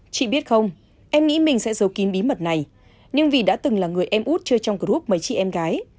chị biết không em nghĩ mình sẽ giấu kín bí mật này nhưng vì đã từng là người em út chơi trong group mấy chị em gái